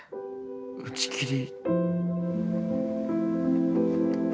打ち切り。